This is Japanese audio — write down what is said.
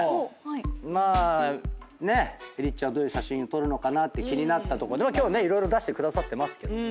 まあねえりっちはどういう写真撮るのかなって気になったとこ今日ね色々出してくださってますけど。